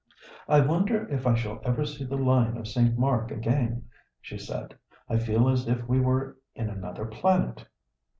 "I wonder if I shall ever see the Lion of St. Mark again?" she said. "I feel as if we were in another planet."